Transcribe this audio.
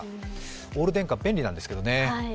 オール電化便利なんですけどね。